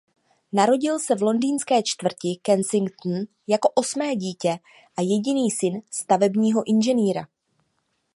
Narodil se v Londýnské čtvrti Kensington jako osmé dítě a jediný syn stavebního inženýra.